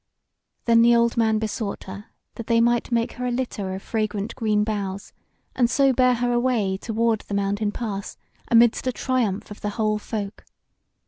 Then the old man besought her that they might make her a litter of fragrant green boughs, and so bear her away toward the mountain pass amidst a triumph of the whole folk.